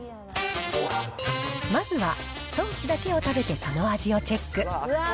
まずはソースだけを食べてその味をチェック。